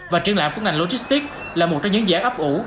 và triển lãm của ngành logistics là một trong những giải ấp ủ